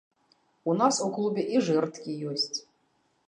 У нас у клубе і жэрдкі ёсць.